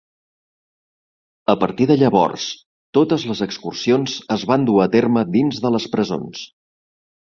A partir de llavors, totes les execucions es van dur a terme dins de les presons.